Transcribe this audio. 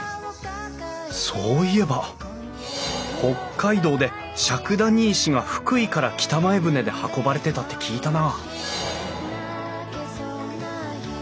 そういえば北海道で笏谷石が福井から北前船で運ばれてたって聞いたな